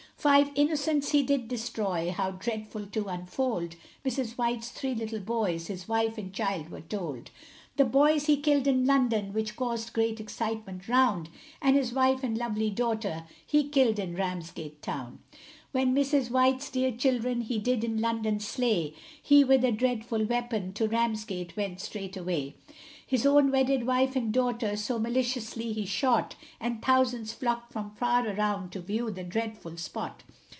Five innocents he did destroy, how dreadful to unfold, Mrs. White's three little boys, his wife and child, were told; The boys he killed in London, which caused great excitement round, And his wife and lovely daughter he killed in Ramsgate town. When Mrs White's dear children he did in London slay, He with a dreadful weapon to Ramsgate went straightway; His own wedded wife and daughter, so maliciously he shot, And thousands flocked from far around to view the dreadful spot.